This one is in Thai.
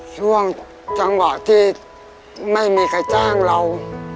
ช่วงจังหวะที่ไม่มีใครจ้างเรา